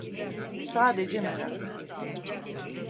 Sadece merak.